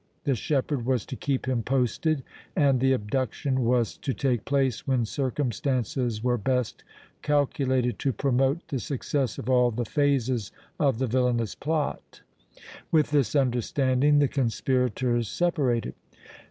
The shepherd was to keep him posted, and the abduction was to take place when circumstances were best calculated to promote the success of all the phases of the villainous plot. With this understanding the conspirators separated.